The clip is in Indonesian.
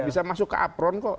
bisa masuk ke apron kok